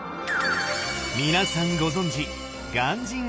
皆さんご存じ